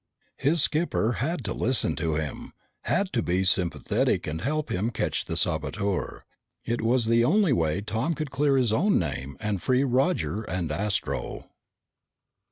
His skipper had to listen to him, had to be sympathetic and help him catch the saboteur. It was the only way Tom could clear his own name and free Roger and Astro.